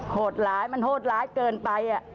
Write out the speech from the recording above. โหดร้ายมันโหดร้ายเกินไป